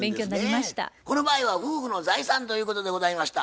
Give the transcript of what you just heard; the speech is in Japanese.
この場合は夫婦の財産ということでございました。